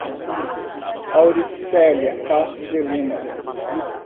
Auricelia Castro de Lima